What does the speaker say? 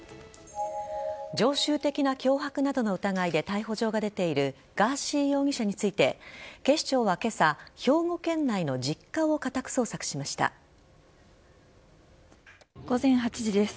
常習的な脅迫などの疑いで逮捕状が出ているガーシー容疑者について警視庁は今朝兵庫県内の実家を午前８時です。